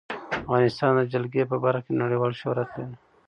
افغانستان د جلګه په برخه کې نړیوال شهرت لري.